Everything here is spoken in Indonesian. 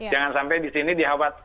jangan sampai di sini dikhawatirkan